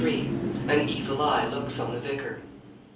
AN EVIL EYE LOOKS ON THE VICAR.